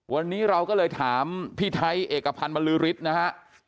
วันนี้เราก็เลยถามพี่ไทยเด็กอาการณรริษฐ์นะฮะ